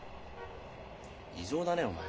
異常だねお前。